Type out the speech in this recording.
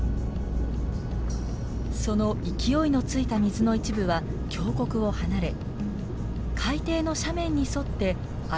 その勢いのついた水の一部は峡谷を離れ海底の斜面に沿って上がっていきます。